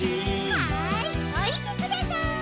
はいおりてください。